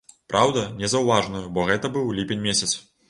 Праўда, незаўважную, бо гэта быў ліпень месяц.